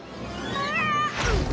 うわ！